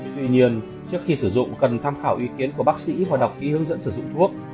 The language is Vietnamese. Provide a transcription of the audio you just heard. tuy nhiên trước khi sử dụng cần tham khảo ý kiến của bác sĩ và đọc kỹ hướng dẫn sử dụng thuốc